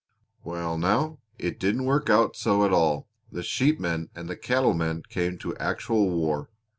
"Well now, it didn't work out so at all. The sheepmen and the cattlemen came to actual war.